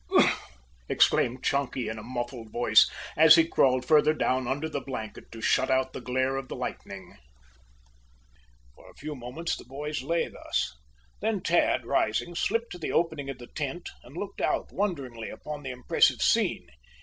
"Ugh!" exclaimed Chunky in a muffled voice, as he crawled further down under the blanket to shut out the glare of the lightning. For a few moments the boys lay thus. Then Tad, rising, slipped to the opening of the tent and looked out wonderingly upon the impressive scene.